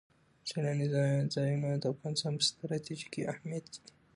سیلاني ځایونه د افغانستان په ستراتیژیک اهمیت کې دي.